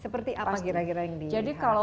seperti apa kira kira yang diharapkan dan disiapkan